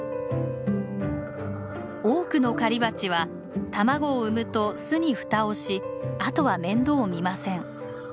多くの狩りバチは卵を産むと巣に蓋をしあとは面倒をみません。